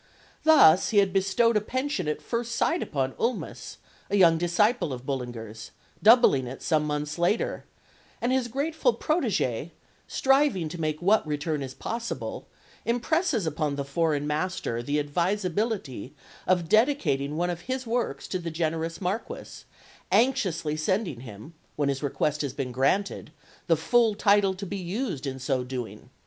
Thus he had bestowed a pension at first sight upon Ulmis, a young disciple of Bullinger's, doubling it some months later; and his grateful protégé, striving to make what return is possible, impresses upon the foreign master the advisability of dedicating one of his works to the generous Marquis, anxiously sending him, when his request has been granted, the full title to be used in so doing.